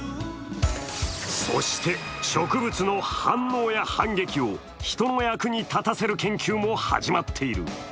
そして、植物の反応や反撃を人の役に立たせる研究も始まっている。